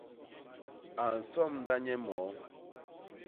A nsomda nye i moo.